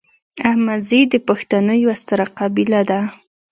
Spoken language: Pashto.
احمدزي د پښتنو یوه ستره قبیله ده